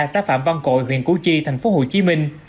xã phạm văn cội huyện củ chi thành phố hồ chí minh